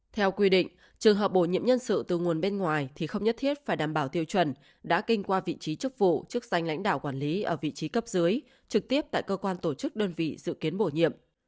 theo quy định trường hợp bổ nhiệm nhân sự từ nguồn bên ngoài thì không nhất thiết phải đảm bảo tiêu chuẩn đã kinh qua vị trí chức vụ chức danh lãnh đạo quản lý ở vị trí cấp dưới trực tiếp tại cơ quan tổ chức đơn vị dự kiến bổ nhiệm